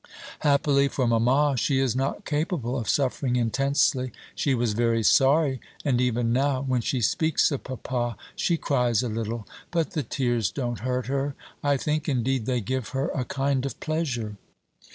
Happily for mamma, she is not capable of suffering intensely. She was very sorry, and even now when she speaks of papa she cries a little; but the tears don't hurt her. I think, indeed, they give her a kind of pleasure.